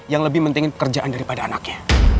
yang lebih penting pekerjaan daripada anaknya